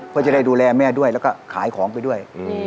เพื่อจะได้ดูแลแม่ด้วยแล้วก็ขายของไปด้วย